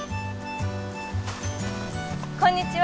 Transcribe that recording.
こんにちは。